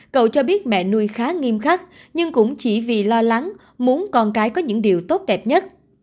cậu cho biết mẹ nuôi khá nghiêm khắc nhưng cũng chỉ vì lo lắng muốn con cái có những điều tốt đẹp nhất